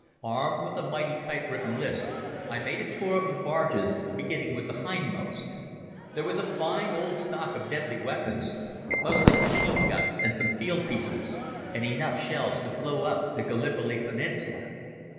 Armed with a mighty type written list, I made a tour of the barges, beginning with the hindmost. There was a fine old stock of deadly weapons—mostly machine guns and some field pieces, and enough shells to blow up the Gallipoli peninsula.